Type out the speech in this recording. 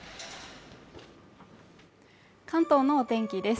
関東のお天気です